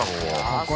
ここ。